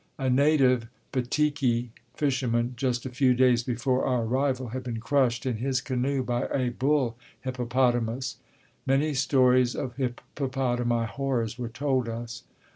A native Bateke fisherman, just a few days before our arrival, had been crushed in his canoe by a bull hippopotamus. Many stories of hippopotami horrors were told us.